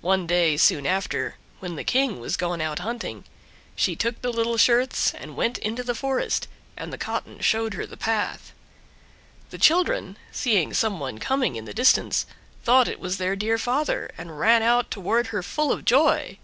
One day soon after, when the King was gone out hunting, she took the little shirts and went into the forest, and the cotton showed her the path. The children, seeing some one coming in the distance, thought it was their dear father, and ran out toward her full of joy.